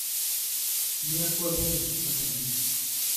Mais à quoi bon ? m’a-t-on dit.